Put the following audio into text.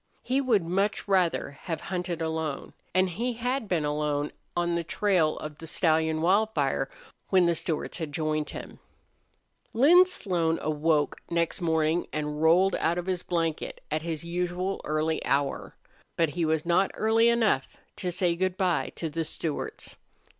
He would much rather have hunted alone, and he had been alone on the trail of the stallion Wildfire when the Stewarts had joined him. Lin Slone awoke next morning and rolled out of his blanket at his usual early hour. But he was not early enough to say good by to the Stewarts.